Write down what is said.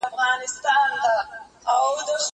دا کتاب له هغه مفيد دی!؟